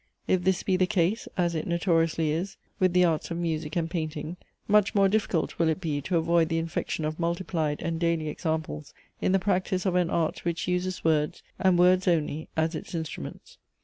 If this be the case, as it notoriously is, with the arts of music and painting, much more difficult will it be, to avoid the infection of multiplied and daily examples in the practice of an art, which uses words, and words only, as its instruments.